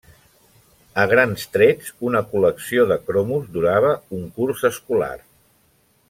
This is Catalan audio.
A grans trets, una col·lecció de cromos durava un curs escolar.